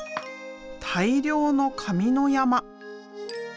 大量の紙の山。